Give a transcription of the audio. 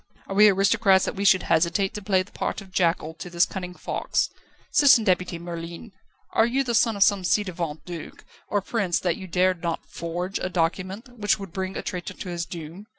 Are we aristocrats that we should hesitate to play the part of jackal to this cunning fox? Citizen Deputy Merlin, are you the son of some ci devant duke or prince that you dared not forge a document which would bring a traitor to his doom?